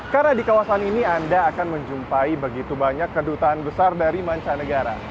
karena di kawasan ini anda akan menjumpai begitu banyak kedutaan besar dari mancanegara